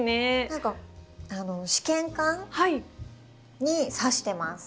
何か試験管に挿してます。